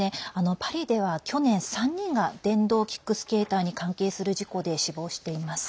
パリでは去年、３人が電動キックスケーターに関係する事故で死亡しています。